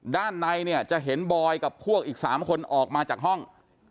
ด้านในเนี่ยจะเห็นบอยกับพวกอีก๓คนออกมาจากห้อง